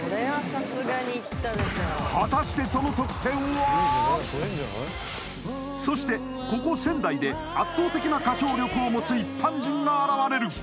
果たしてそしてここ仙台で圧倒的な歌唱力を持つ一般人が現れる！